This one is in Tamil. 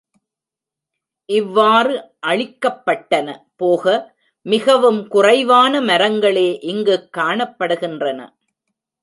இவ்வாறு அழிக்கப்பட்டன போக மிகவும் குறைவான மரங்களே இங்குக் காணப்படுகின்றன.